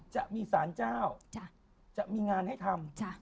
จะมีสารเจ้าจะมีงานให้ทำ